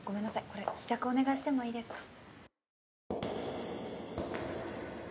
これ試着お願いしてもいいですか？